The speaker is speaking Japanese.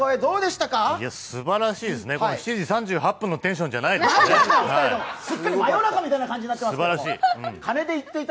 すばらしいですね、７時３８分のテンションじゃないですね、すばらしい。